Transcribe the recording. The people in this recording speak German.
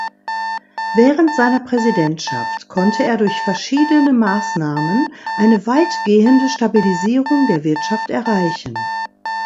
Während seiner Präsidentschaft konnte er durch verschiedene Maßnahmen eine weitgehende Stabilisierung der Wirtschaft erreichen.